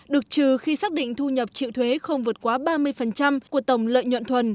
được trừ khi xác định thu nhập chịu thuế không vượt quá ba mươi của tổng lợi nhuận thuần